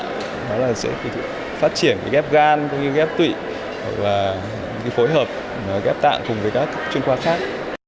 chúng ta sẽ phát triển ghép gan ghép tụy hoặc là phối hợp ghép tạng cùng với các chuyên khoa khác